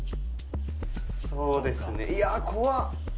そうですねいや怖っ！